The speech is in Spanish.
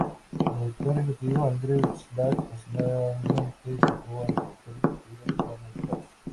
El director ejecutivo Andrew Slack personalmente llegó al director ejecutivo de Warner Bros.